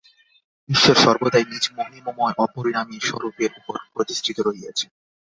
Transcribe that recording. ঈশ্বর সর্বদাই নিজ মহিমময় অপরিণামী স্বরূপের উপর প্রতিষ্ঠিত রহিয়াছেন।